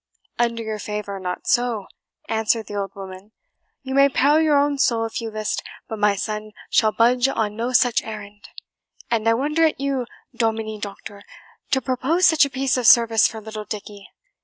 "Under your favour, not so," answered the old woman; "you may peril your own soul, if you list, but my son shall budge on no such errand. And I wonder at you, Dominie Doctor, to propose such a piece of service for little Dickie."